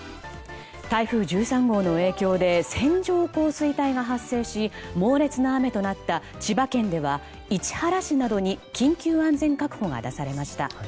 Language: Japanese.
台風１３号の影響で線状降水帯が発生し猛烈な雨となった千葉県では市原市などに緊急安全確保が出されました。